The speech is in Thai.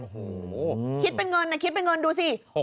โอ้โหคิดเป็นเงินนะคิดเป็นเงินดูสิ